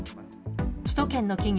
首都圏の企業